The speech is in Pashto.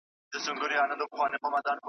ړوند افغان دی له لېوانو نه خلاصیږي .